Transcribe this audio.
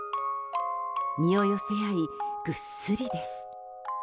身を寄せ合い、ぐっすりです。